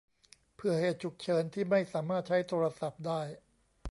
เผื่อเหตุฉุกเฉินที่ไม่สามารถใช้โทรศัพท์ได้